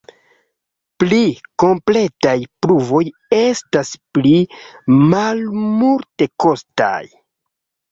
Pli kompletaj pruvoj estas pli malmultekostaj.